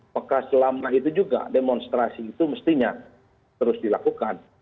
maka selama itu juga demonstrasi itu mestinya terus dilakukan